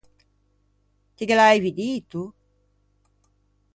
Ti ghe l’aivi dito?